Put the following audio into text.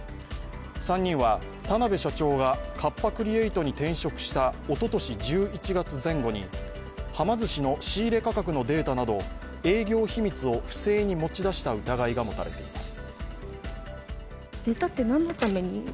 ３人は田辺社長がカッパ・クリエイトに転職したおととし１１月前後に、はま寿司の仕入れ価格のデータなど営業秘密を不正に持ち出した疑いが持たれています。